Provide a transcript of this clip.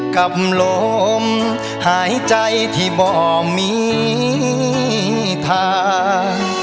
กับลมหายใจที่บ่อมีทาง